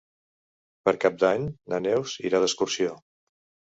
Per Cap d'Any na Neus irà d'excursió.